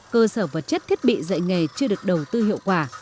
cơ sở vật chất thiết bị dạy nghề chưa được đầu tư hiệu quả